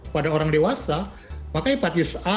pada orang dewasa maka hepatitis a